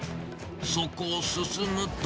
そこを進むと。